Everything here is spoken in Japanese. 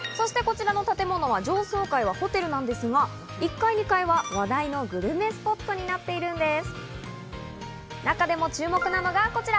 そして、こちらの建物は上層階はホテルなんですが、１階・２階は話題のグルメスポットになっているんです。